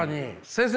先生！